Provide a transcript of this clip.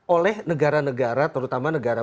oleh negara negara terutama negara